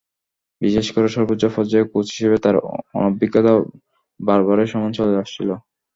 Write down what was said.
বিশেষ করে সর্বোচ্চ পর্যায়ে কোচ হিসেবে তাঁর অনভিজ্ঞতা বারবারই সামনে চলে আসছিল।